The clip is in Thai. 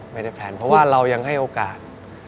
แพลนเพราะว่าเรายังให้โอกาส